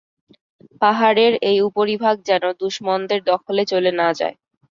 পাহাড়ের এই উপরিভাগ যেন দুশমনদের দখলে চলে না যায়।